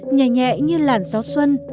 nhẹ nhẹ như làn gió xuân